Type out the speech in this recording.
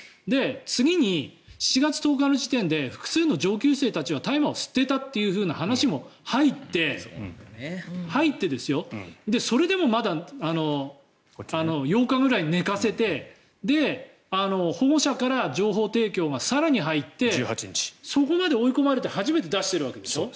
次に、７月１０日の時点で複数の上級生たちが大麻を吸っていたという情報が入ってそれでもまだ８日くらい寝かせて保護者から情報提供が更に入ってそこまで追い込まれて初めて出してるわけでしょ。